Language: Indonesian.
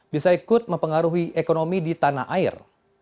bisa ikut mempengaruhi ekonomi di tanah air